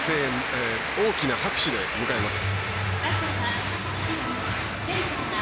大きな拍手で迎えます。